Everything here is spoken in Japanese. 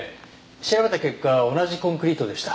調べた結果同じコンクリートでした。